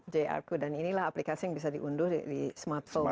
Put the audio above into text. j arku dan inilah aplikasi yang bisa diunduh di smartphone ya